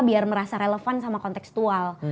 biar merasa relevan sama kontekstual